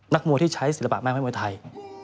นักมวยที่ใช้ศิลปะแม่ไม้มวยไทย